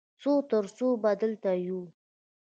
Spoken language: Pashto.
څو تر څو به دلته یو؟